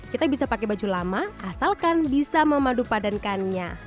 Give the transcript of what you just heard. kita bisa pakai baju lama asalkan bisa memadupadankannya